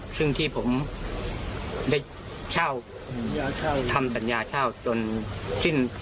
ซึ่งที่ผมได้เช่ายาเช่าทำสัญญาเช่าตัวเอง